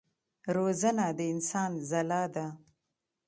روزنه د انسان ځلا ده.